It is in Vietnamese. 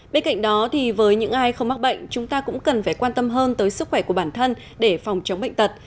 bên cạnh đó với những ai không mắc bệnh chúng ta cũng cần phải quan tâm hơn tới sức khỏe của bản thân để phòng chống bệnh tật